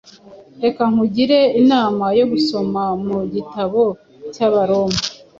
Reka nkugire inama yo gusoma mu gitabo cy’Abaroma